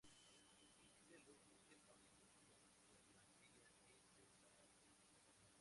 El vitelo es absorbido por la cría en desarrollo.